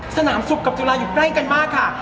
สนามสุขกับจุฬาอยู่ใกล้กันมากค่ะ